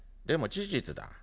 でも事実だ。